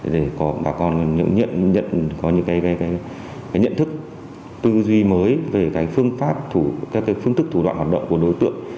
để nhận thức tư duy mới về phương pháp phương thức thủ đoạn hoạt động của đối tượng